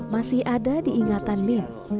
masih ada diingatan min